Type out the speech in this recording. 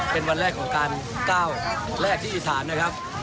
เป็นวันแรกของการก้าวแรกที่อีสานนะครับ